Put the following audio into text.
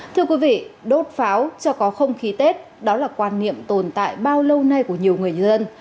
thưa quý vị đốt pháo cho có không khí tết đó là quan niệm tồn tại bao lâu nay của nhiều người như dân